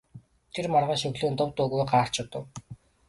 Тэр маргааш өглөө нь дув дуугүй гарч одов.